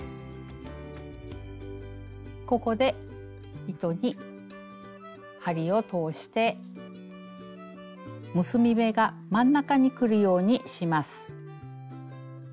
ここで糸に針を通して結び目が真ん中にくるようにします。